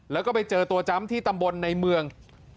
แล้วก็ไปเจอตัวจำที่ตำบลในเมือง